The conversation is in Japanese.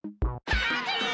ハングリー！